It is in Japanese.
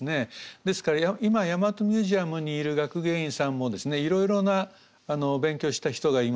ですから今大和ミュージアムにいる学芸員さんもですねいろいろなお勉強した人がいます。